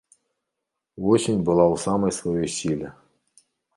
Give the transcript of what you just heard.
Восень была ў самай сваёй сіле.